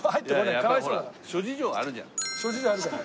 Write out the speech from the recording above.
諸事情あるじゃん。